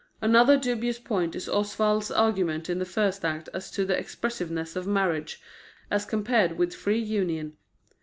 Another dubious point is Oswald's argument in the first act as to the expensiveness of marriage as compared with free union.